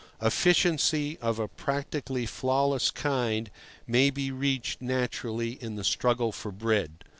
Efficiency of a practically flawless kind may be reached naturally in the struggle for bread.